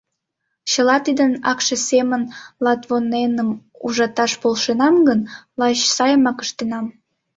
Чыла тидын акше семын Лотвоненым ужаташ полшенам гын, лач сайымак ыштенам.